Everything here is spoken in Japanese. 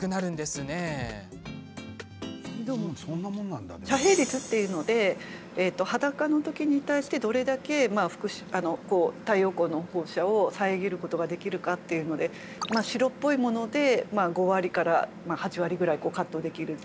やはり遮蔽率っていうので裸の時に対して、どれだけ太陽光の放射を遮ることができるかっていうので白っぽいもので５割から８割くらいカットできる。